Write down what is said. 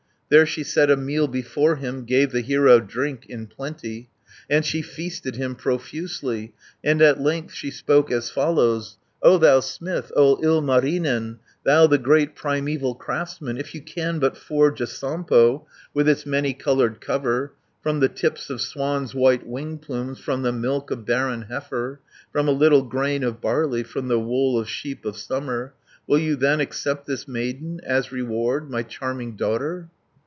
There she set a meal before him, Gave the hero drink in plenty, And she feasted him profusely, And at length she spoke as follows: "O thou smith, O Ilmarinen, Thou the great primeval craftsman, 260 If you can but forge a Sampo, With its many coloured cover, From the tips of swans' white wing plumes, From the milk of barren heifer, From a little grain of barley, From the wool of sheep of summer, Will you then accept this maiden, As reward, my charming daughter?"